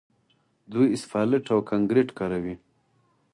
دوی اسفالټ او کانکریټ کاروي.